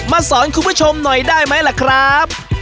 สอนคุณผู้ชมหน่อยได้ไหมล่ะครับ